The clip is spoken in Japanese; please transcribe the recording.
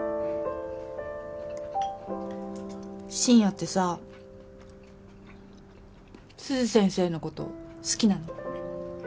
深夜ってさ鈴先生の事好きなの？